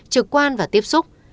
trực quan và tiếp xúc